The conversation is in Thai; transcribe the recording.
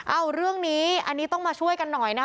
เอาเรื่องนี้อันนี้ต้องมาช่วยกันหน่อยนะคะ